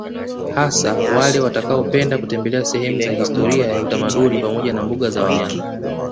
Hasa wale watakaopenda kutembelea sehemu za historia ya utamaduni pamoja na mbuga za wanyama